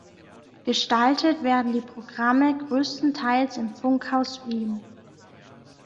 Gestaltet werden die Programme großteils im Funkhaus Wien.